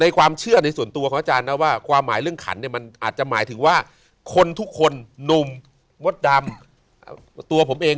อาจจะหมายถึงว่าคนทุกคนหนุ่มมดดำตัวผมเอง